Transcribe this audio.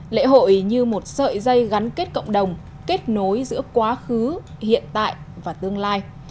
lễ hội như một sợi dây gắn kết cộng đồng kết nối giữa quá khứ hiện tại và tương lai